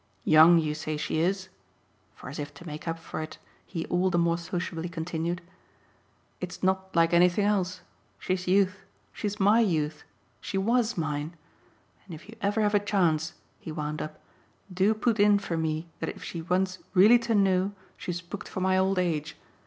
"'Young,' you say she is?" for as if to make up for it he all the more sociably continued. "It's not like anything else. She's youth. She's MY youth she WAS mine. And if you ever have a chance," he wound up, "do put in for me that if she wants REALLY to know she's booked for my old age.